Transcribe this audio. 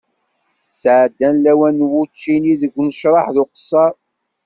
Sɛeddan lawan n wučči-nni deg unecreḥ d uqesser.